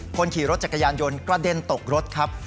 คนขี่รถจักรยานยนต์กระเด็นตกรถครับ